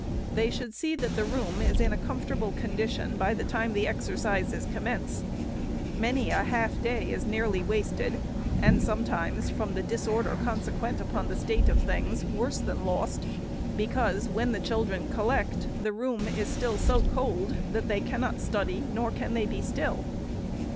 They should see that the room is in a comfortable con dition by the time the exercises commence. Many a half day is nearly wasted, and sometimes, from the disorder consequent upon the state of things, worse than lost, ON SCHOOLHOUSES. 479 because, when the children collect, the room is so cold, that they cannot study, nor can they be still.